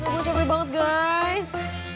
gue capek banget guys